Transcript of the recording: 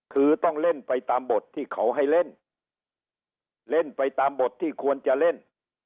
คือต้องเล่นไปตามบทที่เขาให้เล่นเล่นไปตามบทที่ควรจะเล่น